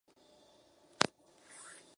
Clubs destacados